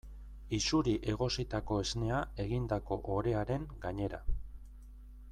Isuri egositako esnea egindako orearen gainera.